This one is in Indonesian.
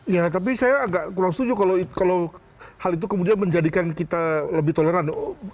ya tapi saya agak kurang setuju kalau hal itu kemudian menjadikan kita lebih toleran